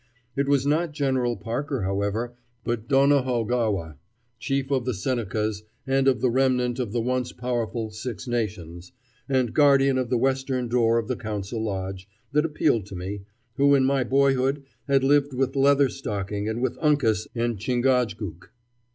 It was not General Parker, however, but Donehogawa, Chief of the Senecas and of the remnant of the once powerful Six Nations, and guardian of the western door of the council lodge, that appealed to me, who in my boyhood had lived with Leather stocking and with Uncas and Chingachgook.